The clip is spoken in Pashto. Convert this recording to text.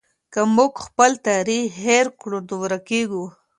که موږ خپل تاریخ هېر کړو نو ورکېږو.